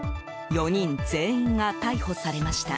４人全員が逮捕されました。